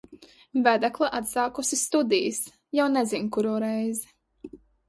Vedekla atsākusi studijas, jau nezin kuro reizi.